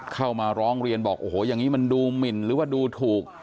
เข้ามาร้องเรียนบอกโอ้โหอย่างนี้มันดูหมินหรือว่าดูถูก